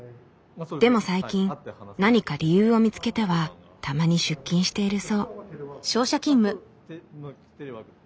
でも最近何か理由を見つけてはたまに出勤しているそう。